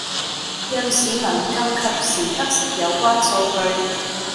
讓市民更及時得悉有關數據